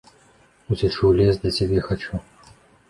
Уцячы ў лес да цябе хачу.